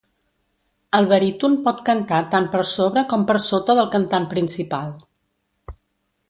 El baríton pot cantar tant per sobre com per sota del cantant principal.